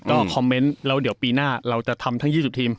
ก็คอมเมนต์แล้วเดี๋ยวปีหน้าเราจะทำทั้ง๒๐ทีม